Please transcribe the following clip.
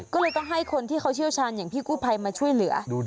ก็เลยต้องให้คนที่เขาเชี่ยวชาญอย่างพี่กู้ภัยมาช่วยเหลือ